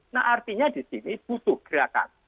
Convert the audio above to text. nah artinya di sini butuh gerakan